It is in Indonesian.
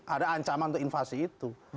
ada ancaman untuk invasi itu